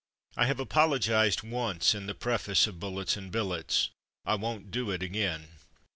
I have apologized once in the preface of Bullets and Billets. I won't do it again.